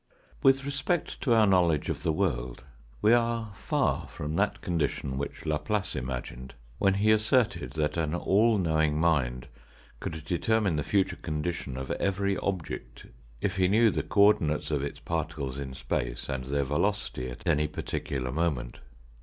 With respect to our knowledge of the world we are far from that condition which Laplace imagined when he asserted that an all knowing mind could determine the future condition of every object, if he knew the co ordinates of its particles in space, and their velocity at any particular moment.